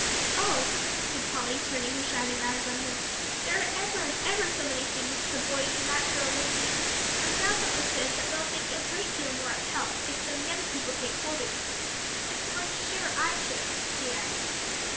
"Oh," said Polly turning her shining eyes on him, "there are ever and ever so many things the boys and that girl will need, and Grandpapa says that they'll think a great deal more of help, if some young people take hold of it. And so I'm sure I should," she added.